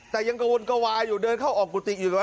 แต่ยังกระวนกระวายอยู่เดินเข้าออกกุฏิอยู่เลย